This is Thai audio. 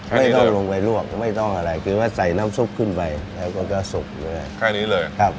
ไม่ต้องลงไปลวกไม่ต้องอะไรคือว่าใส่น้ำซุปขึ้นไปแล้วก็จะสุกเลยแค่นี้เลยครับ